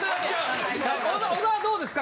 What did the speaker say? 小沢どうですか？